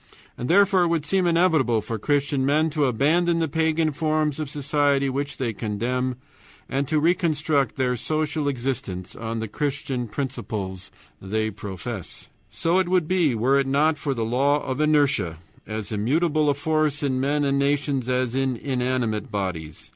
And therefore it would seem inevitable for Christian men to abandon the pagan forms of society which they condemn, and to reconstruct their social existence on the Christian principles they profess. So it would be were it not for the law of inertia, as immutable a force in men and nations as in inanimate bodies.